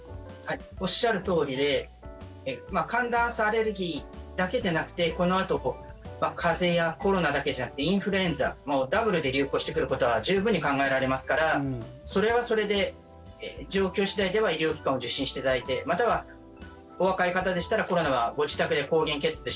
おっしゃるとおりで寒暖差アレルギーだけでなくてこのあと風邪やコロナだけじゃなくてインフルエンザもダブルで流行してくることは十分に考えられますからそれはそれで、状況次第では医療機関を受診していただいてまたは、お若い方でしたらコロナはご自宅で抗原検査で